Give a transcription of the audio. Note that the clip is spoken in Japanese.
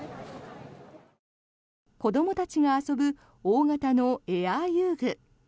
子どもたちが遊ぶ大型のエア遊具。